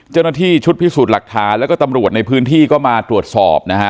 เจ้าหน้าที่ชุดพิสูจน์หลักฐานแล้วก็ตำรวจในพื้นที่ก็มาตรวจสอบนะฮะ